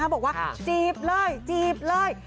บอกว่าจีบเลยจีบเลย